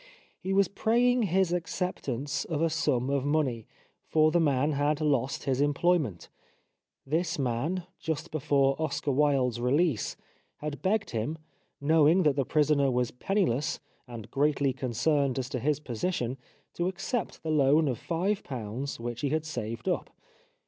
He was praying his acceptance of a sum of money, for the man had lost his employment. This man, just before Oscar Wilde's release, had begged him, knowing that the prisoner was penniless, and greatly con cerned as to his position, to accept the loan of five pounds which he had saved up.